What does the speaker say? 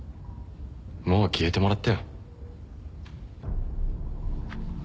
もう消えてもらったよ。